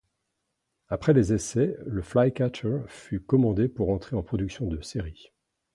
Après les essais, le Flycatcher fut commandé pour entrer en production de série.